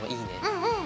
うんうん。